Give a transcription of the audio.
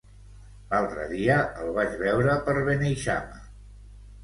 L'altre dia el vaig veure per Beneixama.